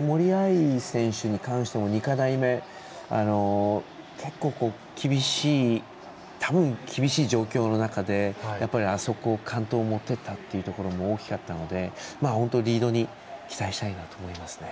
森秋彩選手に関しても２課題目、結構厳しい状況の中で、あそこ完登もっていったっていうのが大きかったので、本当、リードに期待したいなと思いますね。